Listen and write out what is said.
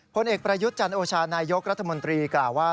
ผลเอกประยุทธ์จันโอชานายกรัฐมนตรีกล่าวว่า